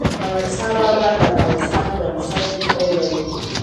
احمد شاه بابا د افغانستان بنسټ ايښی دی.